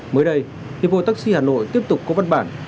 mới đây hiệp hội taxi hà nội tiếp tục có văn bản